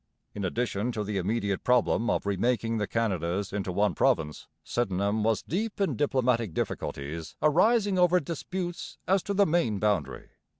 In addition to the immediate problem of remaking the Canadas into one province, Sydenham was deep in diplomatic difficulties arising over disputes as to the Maine boundary.